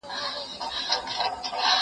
يوڅه انا زړه وه ، يو څه توره تېره وه.